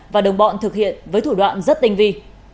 và đồng bọn thực hiện với thủ đoạn rất tinh vi